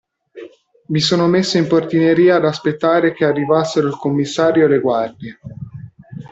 Mi sono messo in portineria ad aspettare che arrivassero il commissario e le guardie.